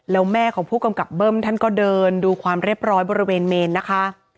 แล้วแม่ของผู้กำกับเบิ้มท่านก็เดินดูความเรียบร้อยบริเวณเมนนะคะ